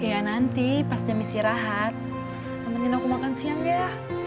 iya nanti pas jam isi rahat temenin aku makan siang ya